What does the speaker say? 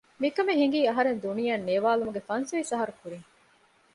މިކަމެއް ހިނގީ އަހަރެން ދުނިޔެއަށް ނޭވާލުމުގެ ފަންސަވީސް އަހަރު ކުރީން